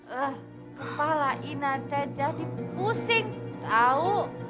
eh kepala inah teh jadi pusing tau